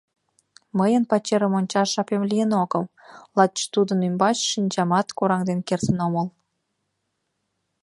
Мыйын пачерым ончаш жапем лийын огыл, лач тудын ӱмбач шинчамат кораҥден кертын омыл.